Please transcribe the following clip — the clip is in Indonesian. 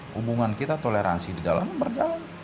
hubungan kita toleransi di dalam berjalan